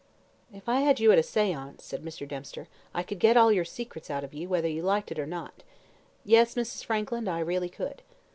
"If I had you at a seance", said Mr. Dempster, "I could get all your secrets out of you, whether you liked it or not. Yes, Mrs. Frankland, I really could."